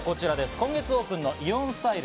今月オープンのイオンスタイル